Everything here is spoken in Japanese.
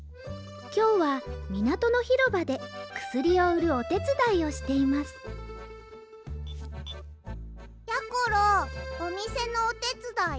きょうはみなとのひろばでくすりをうるおてつだいをしていますやころおみせのおてつだい？